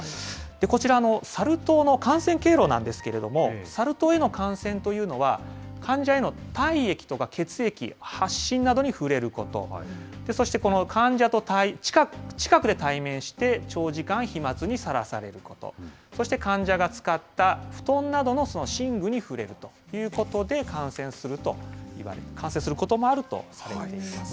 こちら、サル痘の感染経路なんですけれども、サル痘への感染というのは、患者への体液とか血液、発疹などに触れること、そして、この患者と近くで対面して、長時間飛まつにされされること、そして患者が使った布団などの、その寝具に触れるということで感染することもあるとされています。